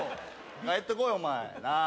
帰ってこいお前なあ。